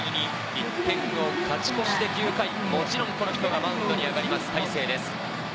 １点を勝ち越して９回、もちろんこの人がマウンドに上がります、大勢です。